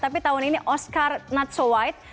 tapi tahun ini oscar not so white